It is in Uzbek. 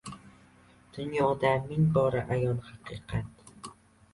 Dunyoda ming bora ayon haqiqat: